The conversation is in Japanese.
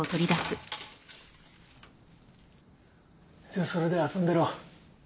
じゃあそれで遊んでろ。